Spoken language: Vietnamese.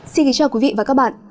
xin kính chào quý vị và các bạn